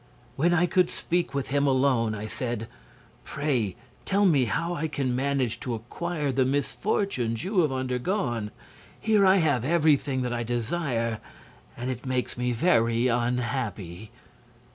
When I could speak with him alone I said: 'Pray tell me how I can manage to acquire the misfortunes you have undergone. Here I have everything that I desire, and it makes me very unhappy.'